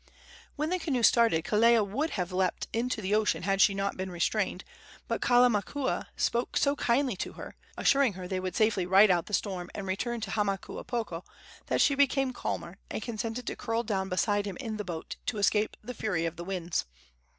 When the canoe started Kelea would have leaped into the sea had she not been restrained; but Kalamakua spoke so kindly to her assuring her that they would safely ride out the storm and return to Hamakuapoko that she became calmer, and consented to curl down beside him in the boat to escape the fury of the winds.